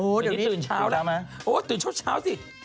โอ้โหเดี๋ยวนี้ตื่นเช้าแล้วเตือนเช้าสิ